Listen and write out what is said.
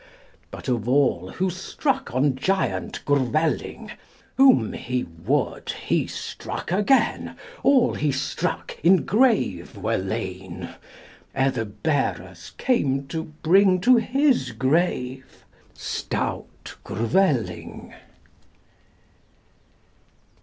But of all Who struck on giant Gwrveling, Whom he would he struck again, All he struck in grave were lain, Ere the bearers came to bring To his grave stout Gwrveling.